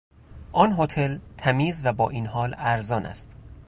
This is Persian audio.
آن هتل تمیز و با این حال ارزان است.